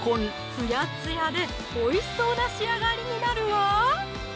つやつやでおいしそうな仕上がりになるわ！